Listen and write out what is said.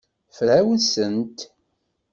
Frawsent.